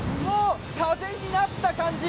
風になった感じ。